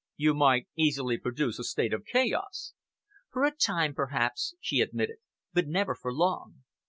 "You might easily produce a state of chaos." "For a time, perhaps," she admitted, "but never for long.